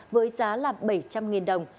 với giá là bảy trăm linh đồng